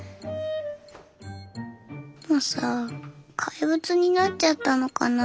怪物になっちゃったのかな。